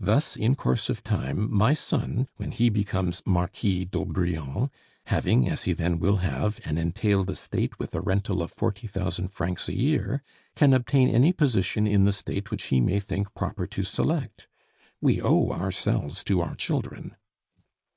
Thus in course of time my son, when he becomes Marquis d'Aubrion, having, as he then will have, an entailed estate with a rental of forty thousand francs a year, can obtain any position in the State which he may think proper to select. We owe ourselves to our children.